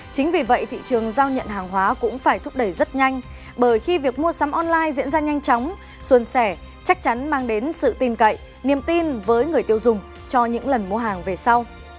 chính vì vậy thị trường giao nhận hàng hóa cũng phải thúc đẩy rất nhanh bởi khi việc mua sắm online diễn ra nhanh chóng xuân sẻ chắc chắn mang đến sự tin cậy niềm tin với người tiêu dùng cho những lần mua hàng về sau